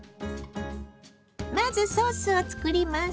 まずソースを作ります。